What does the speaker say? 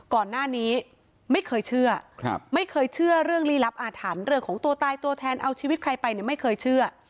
ก่อนหน้านี้ไม่เคยเชื่อไม่เคยเชื่อเรื่องลี้ลับอาถรรพ์เรื่องของตัวตายตัวแทนเอาชีวิตใครไปเนี่ยไม่เคยเชื่อ